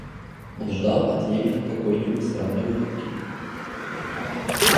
Он ждал от Левина какой-нибудь странной выходки.